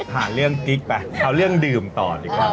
เรื่องกิ๊กไปเอาเรื่องดื่มต่อดีกว่า